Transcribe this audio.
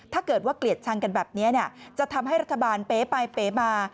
ถ้าเกิดว่าเกลียดชังกันแบบนี้จะทำให้รัฐบาลเป๊ไปเป๊มา